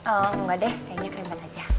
enggak deh kayaknya krim bat aja